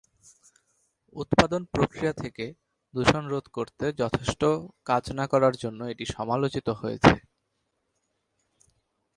উৎপাদন প্রক্রিয়া থেকে দূষণ রোধ করতে যথেষ্ট কাজ না করার জন্য এটি সমালোচিত হয়েছে।